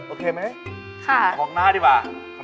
โอเคไหมค่ะของหน้าดีกว่าค่ะ